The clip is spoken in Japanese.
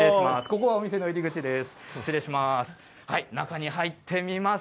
ここがお店の入り口です。